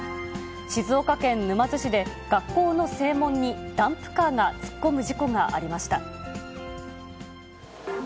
静岡県沼津市で学校の正門に、ダンプカーが突っ込む事故がありました。